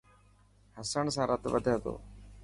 هسڻ سان رت وڌي تو.